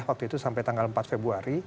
waktu itu sampai tanggal empat februari